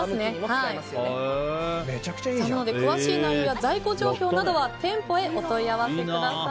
詳しい内容や在庫状況などは店舗へお問い合わせください。